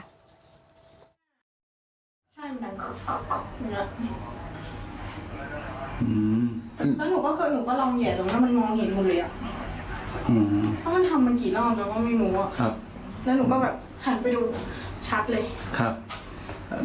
ต้องว่ามาวางอ่ะแล้วก็ไม่ติด